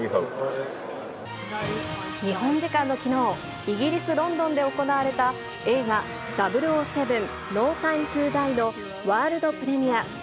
日本時間のきのう、イギリス・ロンドンで行われた映画、００７ノー・タイム・トゥ・ダイのワールドプレミア。